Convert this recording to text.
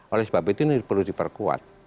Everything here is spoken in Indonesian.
oleh sebab itu ini perlu diperkuat